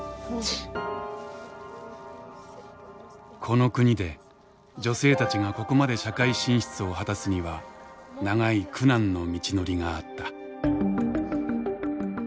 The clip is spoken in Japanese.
この国で女性たちがここまで社会進出を果たすには長い苦難の道のりがあった。